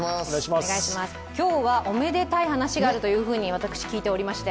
今日はおめでたい話があると私、聞いておりまして。